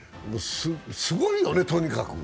すごいよね、とにかく。